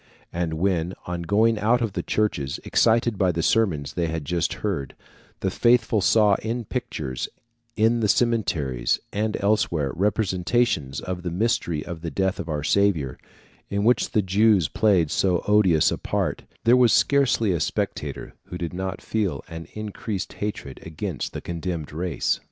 And when, on going out of the churches, excited by the sermons they had just heard, the faithful saw in pictures, in the cemeteries, and elsewhere, representations of the mystery of the death of our Saviour, in which the Jews played so odious a part, there was scarcely a spectator who did not feel an increased hatred against the condemned race.